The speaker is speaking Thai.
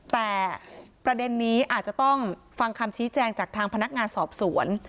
แต่ประเด็นนี้อาจจะต้องฟังคำชี้แจงจากทางพนักงานสอบสวน